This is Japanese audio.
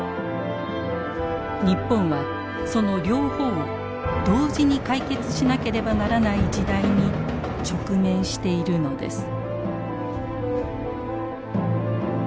日本はその両方を同時に解決しなければならない時代に直面しているのです。